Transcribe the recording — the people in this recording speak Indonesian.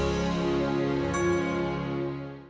ya udah deh